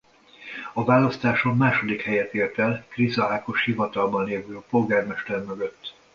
A választáson második helyet ért el Kriza Ákos hivatalban lévő polgármester mögött.